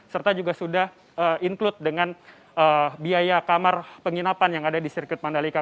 serta juga sudah include dengan biaya kamar penginapan yang ada di sirkuit mandalika